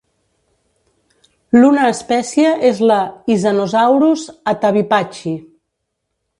L'una espècie és la "Isanosaurus attavipachi".